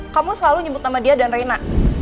kamu selalu nyebut nama dia dan reina